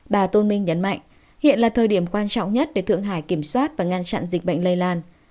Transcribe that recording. bà tôn minh nhấn mạnh hiện là thời điểm quan trọng nhất để thượng hải kiểm soát và ngăn chặn dịch bệnh lây lan